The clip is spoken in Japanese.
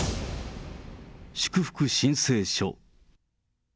祝福申請書。